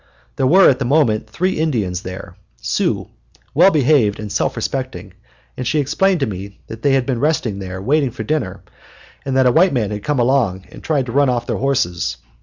There were, at the moment, three Indians there, Sioux, well behaved and self respecting, and she explained to me that they had been resting there waiting for dinner, and that a white man had come along and tried to run off their horses.